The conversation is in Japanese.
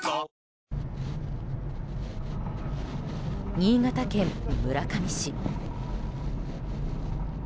新潟県村上市。